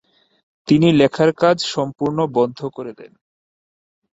তিনি লেখার কাজ সম্পূর্ণ বন্ধ করে দেন।